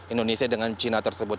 indonesia dengan china tersebut